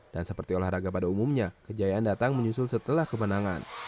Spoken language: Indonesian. dan seperti olahraga pada umumnya kejayaan datang menyusul setelah kemenangan